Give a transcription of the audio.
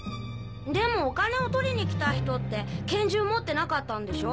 でもお金を取りに来た人って拳銃持ってなかったんでしょ？